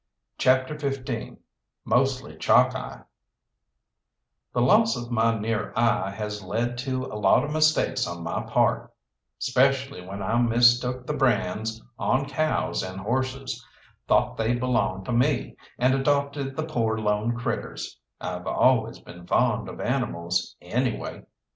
CHAPTER XV MOSTLY CHALKEYE The loss of my near eye has led to a lot of mistakes on my part, specially when I mistook the brands on cows and horses, thought they belonged to me, and adopted the poor lone critters I've always been fond of animals, anyway.